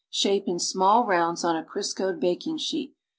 Shape in small rounds on a Criscoed baking sheet.